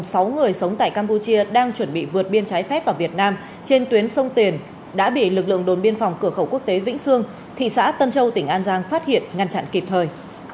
cảnh sát điều tra công an huyện yên dũng tại campuchia đang chuẩn bị vượt biên trái phép vào việt nam trên tuyến sông tiền đã bị lực lượng đồn biên phòng cửa khẩu quốc tế vĩnh sương thị xã tân châu tỉnh an giang phát hiện ngăn chặn kịp thời